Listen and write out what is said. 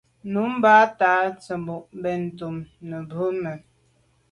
Nummb’a ta tsemo’ benntùn nebame.